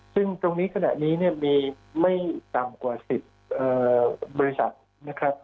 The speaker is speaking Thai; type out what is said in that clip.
ซึ่งตรงนี้ขณะนี้เนี่ยมีไม่ต่ำกว่า๑๐บริษัทนะครับ